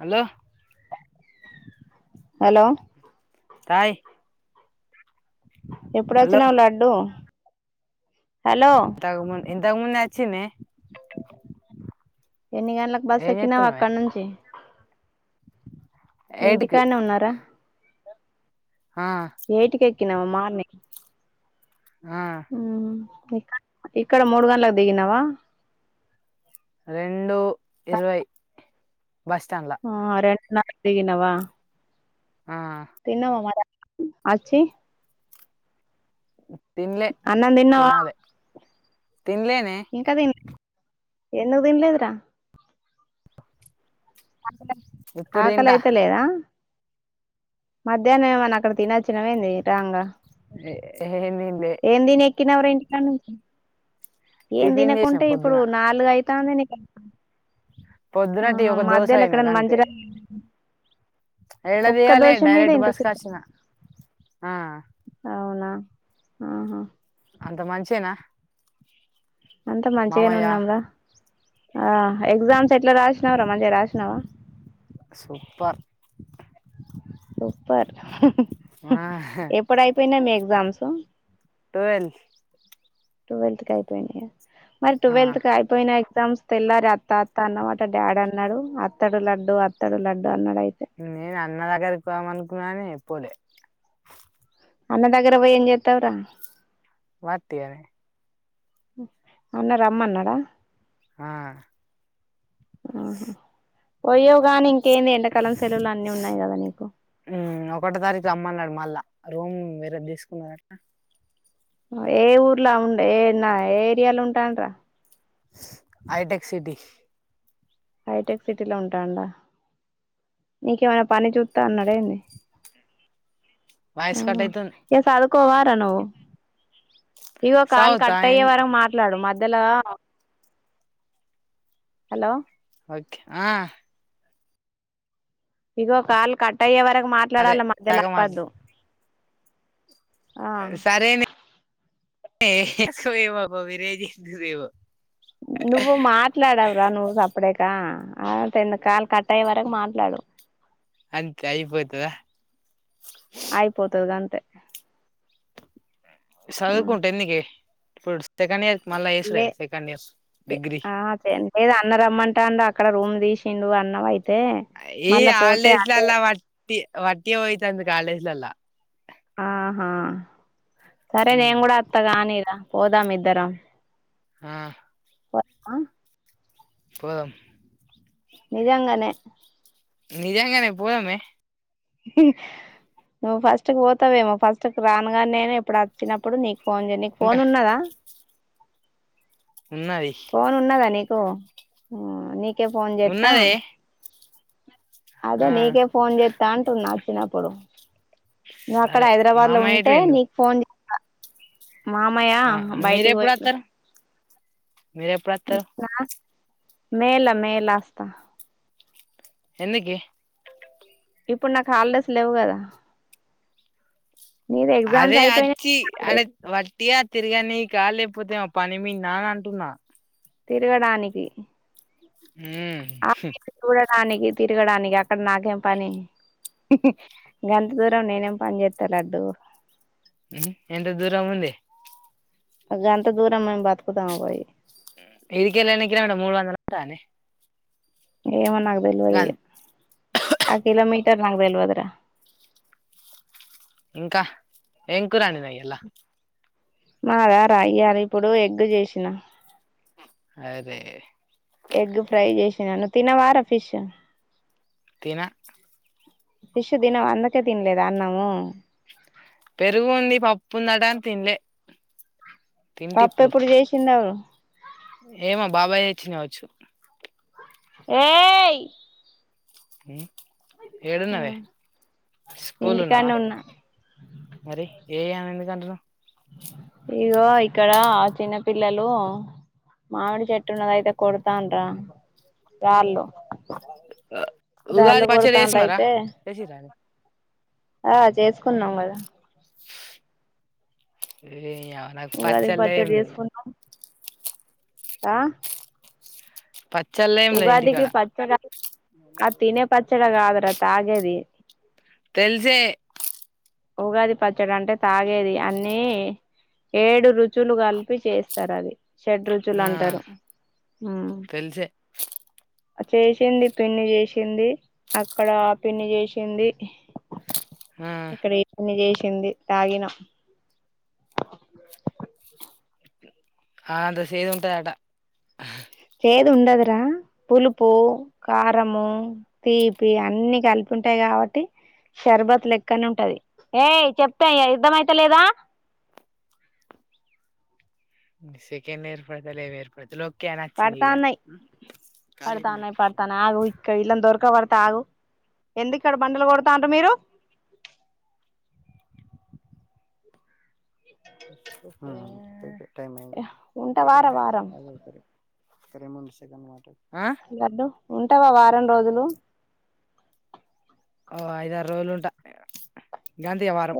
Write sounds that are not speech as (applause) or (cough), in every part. Hello hello hi ఎప్పుడోచ్చినవ్ laddu hello తగ్ మున్ ఇంతక్ ముందే అచ్చినే ఎన్ని గంట్లక్ బస్ ఎక్కినవ్ అక్కడ్ నుంచి ఎయిట్ ఏంటికానే ఉన్నారా హా కినవా మార్నింగ్ ఆ ఉహుహ్ ఇక్కడ మూడ్ గండ్లకు దిగినావా రెండు ఇరవై బస్ స్టాండ్ల ఆ రెండు నార్క్ దిగినవా ఆ తిన్నవా మరీ అనమ్ ఆచ్చి తిన్లే అన్నం తిన్నావా తినాలే తిన్లేనే ఎందుగ్ దిన్లేద్ రా ఇప్పుడు తింటా ఆకలైత లేదా మధ్యాహ్నం ఏమన్నా అక్కడ తినొచ్చినవేంది రాంగా ఏం తిన్లే ఏం తిని ఎక్కినావ్ ర ఇంటికా నుంచి ఏం టిఫిన్ చేసిన తినకుంటే ఇప్పుడు పొద్దున నాలుగు అయితంది (unintelligible) పొద్దున టీ ఆహా ఒక దోశ మధ్యలో అయినా ఎక్కడ గంతే మంచిరాయి ఏడ ఒక్క తీయాలే దోశ మీద డైరెక్ట్ ఇంత బస్ సేపు కచ్చిన ఆ అవునా ఆహా అంత మంచేనా అంత మంచిగనే మామయ్య ఉన్నాంరా ఆ ఎగ్జామ్స్ ఎట్లా రాసినావురా మంచిగా రాసినావా సూపర్ సూపర్ ఆ ఎప్పుడు అయిపోయినాయి మీ ఎగ్జామ్స్ టెన్త్ టువెల్త్ కి అయిపోయినాయా మరి టువెల్త్ కి అయిపోయినాయ్ సంస్ తెల్లారి అత్త అత్త అన్నవట డాడీ అన్నాడు వత్తడు లడ్డు వత్తడు లడ్డు అన్నాడు అయితే నేను అన్న దగ్గరకు పోదము అనుకున్నా గాని పోలె అన్న దగర పోయి ఏం చెతవురా వాతియ్యవే అన్న రమ్మన్నాడా ఆ ఆహ పోయ్యోగాని కేంది ఎండకాలం సెలవులు అన్ని ఉన్నాయి కదా నీకు రోమ్ వేరేది తీసుకున్నారట ఏ ఊర్లో ఉండే ఏ నా ఏ ఏరియాలో ఉంటారంటారా హై టెక్ సిటీ హైటెక్ సిటీలో ఉంటాండా నీకేమైనా పని చూతాన్నడేంది వాయిస్ కట్ అయితుం కో వార నువ్వు ఇగో కాల్ సౌత్ ఆ కట్ అయ్యే వరకు మాట్లాడు మద్ ధ్యలా హలో ఓకే ఆ ఇగో కాళ్ళు కట్ అయ్యే వరకు సరే మాట్లాడాల మధ్యలో ఇలాగ మాట్లా అపద్దు సరేనే ఎక్కువ ఇవ్వకు విరేజింతదేమో నువ్వు మాట్లాడవ్రా నువ్వు సప్డకా ఆ టెన్ కాల్ కట్టయ్యే వరకు మాట్లాడు అంతే అయిపోతదా ఆయిపోతదిగంతే చదువుకుంటే ఎందుకే ఇప్పుడు సెకండ్ ఇయర్ మళ్ళా వేసుడే లే కదా సెకండ్ ఇయర్ డిగ్రీ ఆ చెయండి లేదు అన్న రమ్మంటాడు అక్కడ రూమ్ విషిండు అన్న వయ్ ఈ హల్డేస్లలా వట్టి వట్టి అయితంది కాలేజెలలో ఆహా సరే నేను మ్మ్ కూడా వత్తగాని పోదాం ఇద్దరం ఆ పో ఆ పోదాం నిజంగానే నిజంగానే పోదమే నువ్వు ఫస్ట్ కు పోతావేమో ఫస్ట్ రానుగా నేను ఇప్పుడు వచ్చినప్పుడు నీ ఫోన్ జేయానికి నీకు ఫోన్ ఇంకా ఉన్నదా ఉన్నది ఫోన్ ఉన్నాదా నీకు నీ కె ఫోన్ చేతా ఉన్నదే అదే ఆ నీకే నీకే ఫోన్ చేస్తా అంటున్న ఆచ్చినప్పుడు నువ్వు అక్కడ సరే హైదరాబాద్ లో మామయ్య ఎటు ఉంటే పోయిండు నీకు ఫోన్ మామయ ఆ బయటికి మీరెప్పుడు పోయిడు వత్తరు మీరెప్పుడు వత్తరు మేళ మేళ వస్తా ఎందుకే ఇప్పుడు నాకు హాలిడేస్ లేవు కదా నీది ఎగ్జామ్స్ అదే అచ్చి అయిపోయినా అడే వట్టి తిరగా నీకా లేకపోతేమ పని మీ నా అ అంటున్నా తిరగడానికి హు డానికి తిరగడానికి అక్కడ నాకేం పని గంత దూరం నేనేం పని చేస్తాలడ్డు ఎంత దూర ముంది ఇ అంత దూరం మేము బతుకుతాం పోయి ఇదికేలి కిలోమీటర్లు మూడు వందల ఉంటా ఏమన్గదల్వ అదిగ ఆకలా మీ నాగ్తెల్వద్ర ఇంకా ఏం కూర వండినావు ఇయ్యాల మాద రా అయ్యారు ఇప్పుడు ఎగ్ చేసిన అరే ఎగ్ ఫ్రై చేసి నన్న తిన వార ఫిష్ తీనా పిశు దినవ అందకే తినలేదు అన్నాము పెరుగు ఉంది పప్పు ఉందటని తినలే పప్పు ఎప్పుడు చేసిందివ్వ ఏమ బాబాయ్ తెచ్చిండు కావచ్చు ఏయ్ హు ఏడున్నావే స్కూలున్నావా ఇంటికాన్నే ఉన్నా మరి ఏను ఎందు కంతున్నవ్ ఇగో ఇక్కడ చిన్నపిల్లలు మామిడి చెట్టున్నదైతే కొడతానరా రార్లు ఉగాది రాళ్ళు పచ్చడి కొడతాన్లు వేసున్నారా అయితే చేసిరా ఆ చేసుకున్నాం కదా ఏధీ ఉగాదికి పచ్చడి చేసుకున్నాం పచ్చళ్ళ ఏం లేదు ఉగాదికి ఇంటికాడ పచ్చ ఆ తినే పచ్చడాగా అ్రత ఆగేది తెలిసే ఉగాది పచ్చడి అంటే తాగేది అన్ని ఏడు రుచులు కలిపి చేస్తారు అది షెడ రుచులు ఆ అంటారు తెలిసే చేసింది పిన్ని చేసింది అక్కడ ఆ పిన్ని చేసింది ఆ ఇక్కడ ఏపిన్ని చేసింది తాగిన ఆ అంతా సేదు ఉంటాయాట అ సేదు ఉండదురా పులుపు కారంము తీపి అన్ని కలిపి ఉంటాయి కాబట్టి షర్బత్ లెక్కనే ఉంటది ఏ చెప్దేఅర్ధం అయితే లేదా సకండ్ ఏర్ పడుతా లఏరు పడతాన్నయి పడతాన్నయి పడతాన ఆ ఇక్క ఇల్లా దొర్క పర్తా ఆగు ఎందుకు ఇక్కడ బండలు కొడుతాంటారు మీరు ఉంటావారా ైతేేనా వారం అద సర ేమన్ సకడ్ డు ఉంటావా వారం రోజులు ఓ ఐదారు రోజులు ఉంటా గాంధీ వారం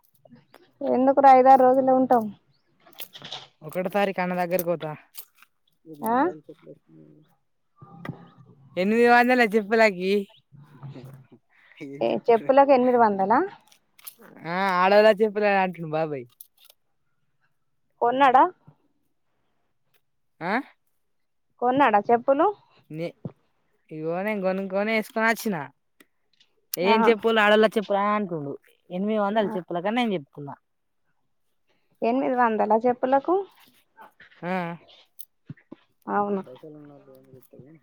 ఎందుకురు ఐదారు రోజులే ఉంటాం ఒకటి తారీఖ అన్న దగ్గరకి పోతా ఆ చెలే ఎనిమిది వందాల చెప్పలాకి ఏం ఏ చెప్పడు చెప్పులకు ఎనిమిది వందలా ఆ ఆడలా చెప్పలే అంటును బాబాయ్ కొన్నాడా ఆ కొన్నాడా చెప్పులు ఇగనేం కొనుొనే వేసుకొని వచ్చిన ఆ ఏం చెప్పులు ఆడళ చెప్పు ప్ర అంటుడు ఎనిమి వందలు చెప్పలే కానీ నేను చెప్తున్నా ఎనిమిది వందల చెప్పులకు అవును పైసలు ఉన్నాు వంద గట్టలే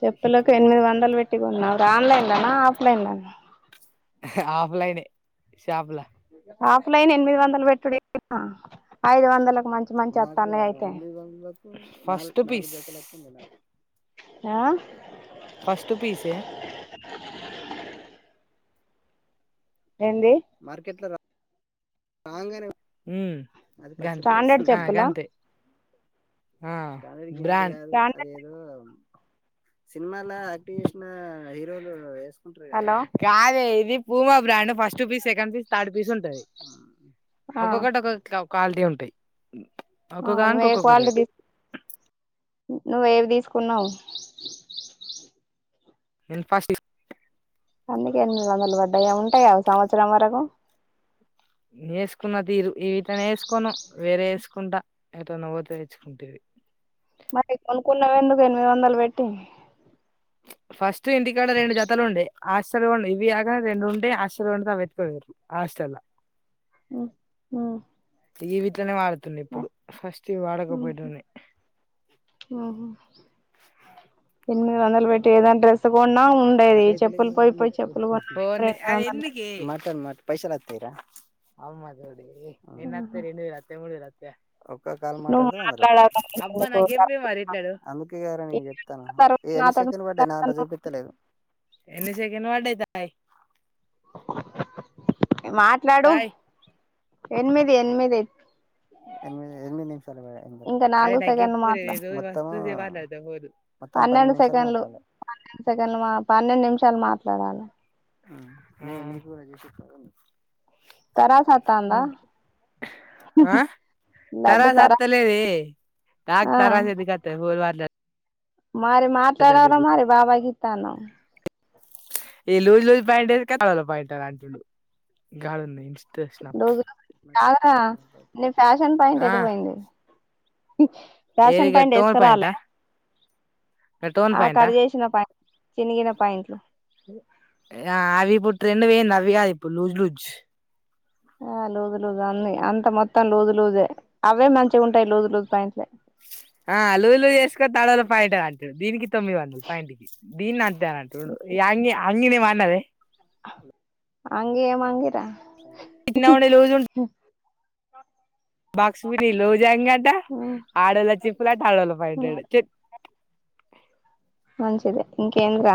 చెప్పులకు ఎనిమిది వందలు పెట్టి ఉన్నావు ఆన్లైన్ లోనా న ఆఫ్లైన్ షాప్ లా ఆఫ్లైన్ ఎనిమిది వందలు పెట్టుడి ఐదు వందల నాకు ఫస్ట్ పీస్ంది నాకు ఆ ఫస్ట్ పీస్ే ఏంది మార్కెట్ లో రా ంత స్టాండర్డ్ చెప్పులా గంత ఆ బ్రాండెడ్ అదేదో సినిమాాల యాక్టివ్ చేసిన హీరోలు వేసుకుంటారు హలో కదాద ఇది భూమా బ్రాడ్ ఫస్ట్ పీ సెకం పీస్ థడ్ పీస్ ఉంటది ఆ ఒక్కొక్కటి ఒకలా ఒకాలటీ ఉంటాయి ఆ ఒక్కొక్కదానికి నువ ఒక్కొక్క వాల్ రేటు దసు నువ్వేవి తీసుకున్నావు ఇన్ఫా సి అందుక ఎనిమిది వందలు పడ్డాయా ఉంటాయా సంవత్సరం వరకు వేసుకున్న తీరు ఇవిటనే వేసుకోను వేరే వేసుకుంటా ఎట నువ్వు తెేచ్చుకుంటేవి మరి కొనుకున్న ఎందుకు ఎనిమిది వందలు పెట్టి ఫస్ట్ ఇంటికాడ రెండు జతలు ఉండే ఆస్టెల్ం ఇవి ఆగ రెండు ఉండే హస్టెల్ ఉంంట అవ ఎత్తుకదిర్ ఆాస్టెల్ ఈ వీట్లనే వాడుతుండ ఇప్పుడు ఫస్ట్ ఇ వాడకపోయటన్ని ఇమి వందలు పెట్టి ఏదానా డ్రెస్ తం అది కొన్నా రెండు వందలు పెట్టి ఎన్నికి మటన్ మటన్ పైసలుతరా అమ్మా నోడి నిన్ అత్తతే రెండు వల అత్తే మూడు వల అత్తతే ఒక్క కాల్ నువ్వు మాట్లాడితే వంద రూపాయలు మాట్లాడాలి అబ్బా ఎందుకు నా చెప్పే మరిట్లా అందుకే గార నేను చెప్తాను తర్వాత ఎన్ని నాతో సెండ్ పడ్డే నా అో చూపట్టలేదు ఎని సకను వాడేతాయి మాట్లాడు తాయ్ ఎనిమిది ఎనిమిది ఎనిమిది నిమిషాలు ఇంకా నాలుగు అరేగ సెకండ్లు మాట్లా పదు పన్నెండు సెకండ్లు పన్నెండు సెకండ్లు మా పన్నెండు నిమిషాలు మాట్లాడాలి తరాసతందా ఆ తరాస్ తరా అత్తలే రీ తాగ ఆ తరాస్ అదికత్ హోల్ మార్ల మరి మాట్లాడవరా మరి బాబాయ్ కి ఇత్తన్నవు ఏ లూజ్ లూజ్ పాయింటు వేసుకున్నాను గాలాల పాయింట్ అంటారు రోజు అవురా నీ ఫ్యాషన్ పాయింట్ ఆ ఎడిపోయింది ఏది ఫ్యాషన్ పాయింట్ గట్టోన్ ఎసుకురాలే ప్యాంటా గట్టోన్ ఆ ప్యాంటా కట్ చేసిన పాయింటు చినిగిన పాయింట్లు ఆ అవి ఇప్పుడు ట్రెండ్ వేయింది అవి కాదు ఇప్పుడు లూజ్ లూజ్ ఆ లోజు లుజు అన్నీ అంత మొత్తం లోజు లోజే అవే మంచిగా ఉంటాయి లోజు లోజు పంట్లే ఆ లుజు చేసుకో తడలు పైట అంట దీనికి తొమ్మిది వందలు పైంటికి దీన్ని అంటే అంగీని ఏమో అన్నది అంగీ ఏమన్లే చిన్నగా ఉండే లోజు అ బాక్స్ మీడి లుజు అంగి ఆడోళ్ళ చెప్పులు అట్ట ఆడళ్ళ పాయింట్లు మంచిద ఇంకేంద్రా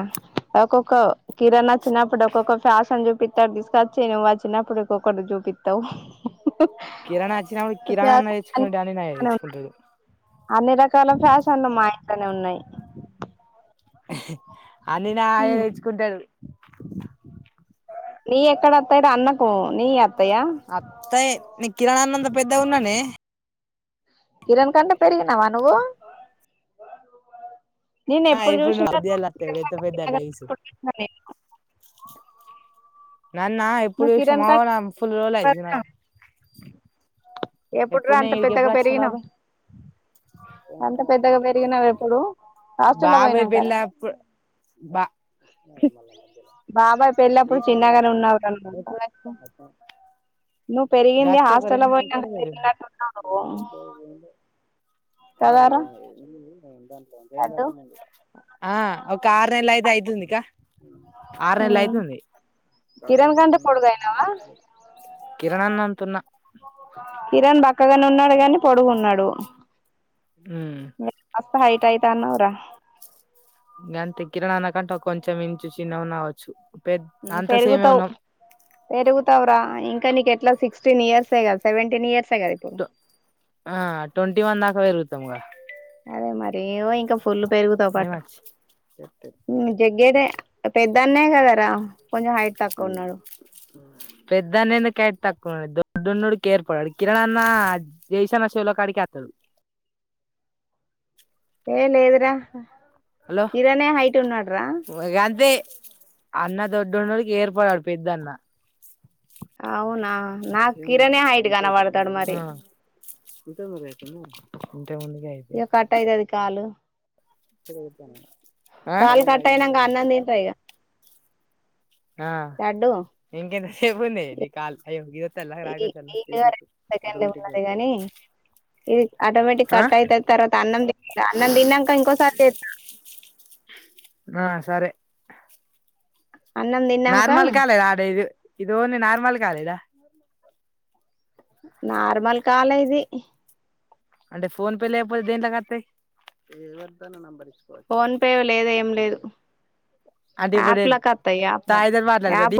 ఒక్కొక్క కిరాణా వచ్చినప్పుడు ఒక్కొక్క ఫ్యాషన్ చూపిస్తాడు కాచ్చ వాచ్చినప్పుడే కొక్కడ చూపిద్దతవు కిరాణా వచ్చినప్పుడు కిరాణా నేర్చుకునేడు అని నేర్చుకుంటాడు అన్ని రకాల ఫ్యాషన్లు మా ఇంట్లోనే ఉన్నాయి అన్ని నా తేచ్చుకుంటాడు నీ ఎక్కడ అత్తాయిర అన్నకు నీ అత్తాయి నీ కిరాణా అన్న అంతా ఆపెద్ద ఉన్నానే కిరణ్ కంట పెరిగినవా నువ్వు నేను ఆ ఎప్పుడు ఇప్పుడు నువ్వు చూసిన ఉద్యాలు వస్తాయి ఇప్పుడు కిరణ్ ఎంత కంటే పెద్ద చిన్నగా రైస్ ఉన్నావ్ అనుకున్న టీవీ సౌండ్ నాన్న ఎప్పుడు చూసినవు ఫుల్ రోజులు ఎప్పుడురా ఎప్పుడు అంత నీను ఏడికి పెద్దగా ఎప్పుడు వచ్చినా పెరిగినావు బాబాయ్ అంత పెద్దగా పెరిగినావు ఎప్పుడు హాస్టల్లో బాబాయ్ పోయినాం కదా పెళ్లెప్పుడు బా మళ మధ్యలో బాబాయ్ పెళ్ళప్పుడు ఈ సంవత్సరం చిన్నగానే ఉన్నావు రా వచ్చిన నువ్వు కథ నువ్వు పెరిగింది హాస్టల్ రెండు సంవత్సరాలు గట్టు ఉన్నాను నువ్వు అదే కదారా ఉ అంత లడ్డు ఉండి ఆ ఒక ఆరు నెల అయితే అయితుంది క ఆరు నెలల ఉమ్ అయితుంది కిరణ్ కంట పడుగాయినావా కిరణాన్న అతున్న కిరణ్ బక్కగానే ఉన్నాడు కాని పొడుగున్నాడు ఉమ్ మీరు కాస్త హైట్ అవుత అన్నావురా ఇంక అంతే కిరణా అన్నకంటే కొంచెం ఇంచు చిన్నగ ఉన్న కావచ్చు పెద్ద అంత సేమే పెరుగుతావ్ ఉన్నాం పెరుగుతావరా ఇంకా నీక ఎలా సిక్టీన్ ఇయర్స్ కదా సెవెంటీన్ ఇయర్స్ ఆ ట్వంటీ వన్ దాకా పెరుగుతాంగా అదే మరే ఇంకా ఫులు పెరుగుతవ్ పాటు ఏమచ్చి తగ్గేది పెద్దన్నయ కదరా కొంచెం హైట్ తక్కువ ఉన్నాడు పెద్దనింద కేట్ తక్కువ దడ్డున్నడికి ఏర్పడాడు కిరణాన్న జైసన్న చెవుల కాడికి అతాడు ఏ లే లేదరా హలో కిరణే హైట్ ఉంన్నాడరా గంతే అన్న దొడ్డుండకి ఏర్పడాడు పెద్ద అన్న అవునా నా కిరణే హైట్ గా కనపడతాడు మరి ఇంత ముందు అయితే మ ఇంత ముందుగా అయితే ఇక కట్ అయితది పెరుగుతన్న కాల్ కట్టయినాంక అన్నం తింటా ఇగ. ఆ లడ్డు ఇంకెంత సేపుంది నీ కాల్? అయ్యో గిదోతల్లా ఈ రాగొత్తల్ల? ఈగ ఏ ఆటోమేటిక్ ఆ కట్ అయితది. తర్వాత అన్నం తిన్ని రా. అన్నం తిన్నంక ఇంకోసారి చెత్తా. నా సరే. అన్నం తిన్నాక నార్మల్ కాల్ ఇద అడేది ఇద. ఇది ఓన్లీ నార్మల్ కాలె ద. నార్మల్ కాలె ఇది. అంటే ఫోన్ పే లేపోతే దేంట్లోకత్తయి? ను నంబర్ ఇచ్చుకోవచ్చు ఫోన్ పే లేదు ఏం లేదు ఫోన్పే అంటే ఇప్పుడు యాప్లకి వత్తాయి యాప్లకు తాయిదరు మాట్లాడ దడి యాప్